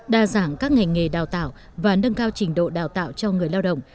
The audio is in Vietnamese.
đa dạng các ngành nghề đào tạo và nâng cao trình độ đào tạo cho người lao động